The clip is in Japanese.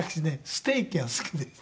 ステーキが好きでして。